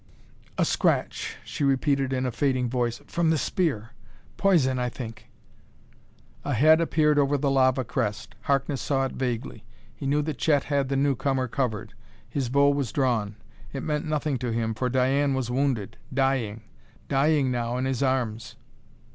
"A scratch," she repeated in a fading voice, "from the spear.... Poison ... I think." A head appeared over the lava crest. Harkness saw it vaguely. He knew that Chet had the newcomer covered; his bow was drawn. It meant nothing to him, for Diane was wounded dying! Dying, now, in his arms....